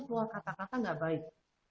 keluar kata kata gak baik